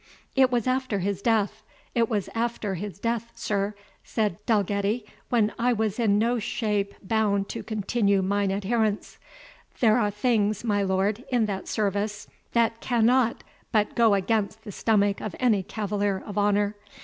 "It was after his death it was after his death, sir," said Dalgetty, "when I was in no shape bound to continue mine adherence. There are things, my lord, in that service, that cannot but go against the stomach of any cavalier of honour.